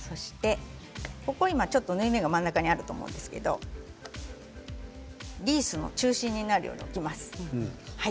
縫い目が真ん中にあると思うんですけどリースの中心になるように置きます。